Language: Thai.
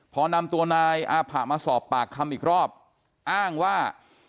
พอนำตัวนายอาผะมาสอบปากคำอีกรอบอ้างว่า